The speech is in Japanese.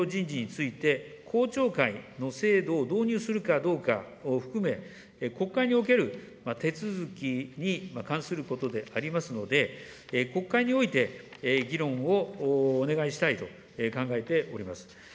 国の重要人事について公聴会の制度を導入するかどうかを含め、国会における手続に関することでありますので、国会において、議論をお願いしたいと考えております。